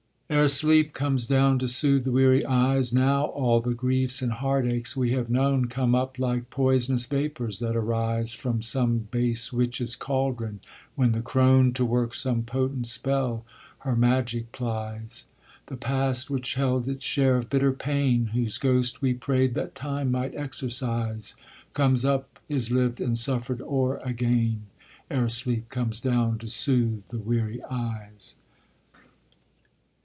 Ere sleep comes down to soothe the weary eyes, Now all the griefs and heartaches we have known Come up like pois'nous vapors that arise From some base witch's caldron, when the crone, To work some potent spell, her magic plies. The past which held its share of bitter pain, Whose ghost we prayed that Time might exorcise, Comes up, is lived and suffered o'er again, Ere sleep comes down to soothe the weary eyes.